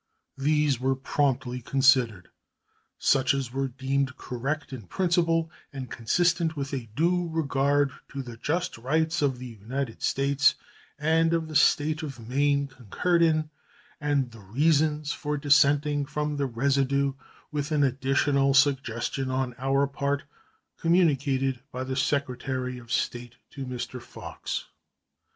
These were promptly considered, such as were deemed correct in principle and consistent with a due regard to the just rights of the United States and of the State of Maine concurred in, and the reasons for dissenting from the residue, with an additional suggestion on our part, communicated by the Secretary of State to Mr. Fox.